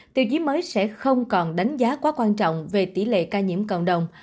tiêu chí mới sẽ không còn đánh giá quá quan trọng về tỷ lệ ca nhiễm cộng đồng